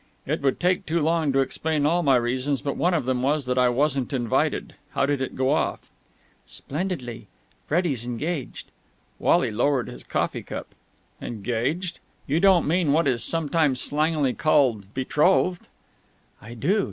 "It would take too long to explain all my reasons, but one of them was that I wasn't invited. How did it go off?" "Splendidly. Freddie's engaged!" Wally lowered his coffee cup. "Engaged! You don't mean what is sometimes slangily called betrothed?" "I do.